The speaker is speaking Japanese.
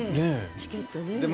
チケット。